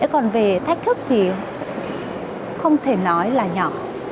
còn về thách thức thì không thể nói là nhỏ